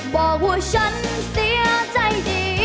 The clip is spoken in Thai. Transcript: บอกว่าฉันเสียใจได้แต่เสียใจได้แต่เสียใจ